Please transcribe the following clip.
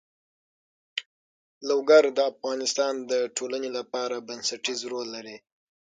لوگر د افغانستان د ټولنې لپاره بنسټيز رول لري.